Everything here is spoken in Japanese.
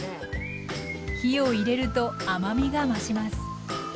火を入れると甘みが増します